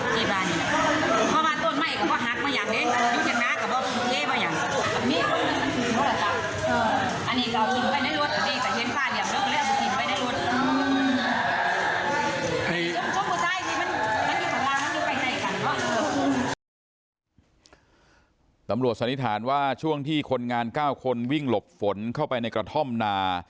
สันนิษฐานว่าช่วงที่คนงาน๙คนวิ่งหลบฝนเข้าไปในกระท่อมนา